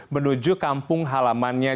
menuju kampung halamannya